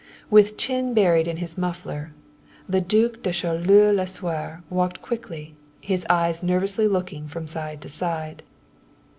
With chin buried in his muffler, the Duc de Choleaux Lasuer walked quickly, his eyes nervously looking from side to side.